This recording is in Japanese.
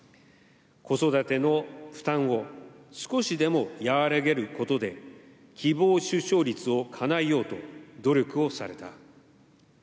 子育ての負担を少しでも和らげることで、希望出生率をかなえようと、努力をされた。